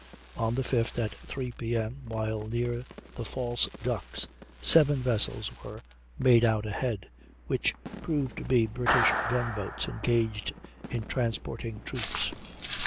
On the 5th, at 3 P.M., while near the False Ducks, seven vessels were made out ahead, which proved to be British gun boats, engaged in transporting troops.